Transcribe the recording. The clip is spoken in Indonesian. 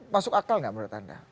masuk akal nggak menurut anda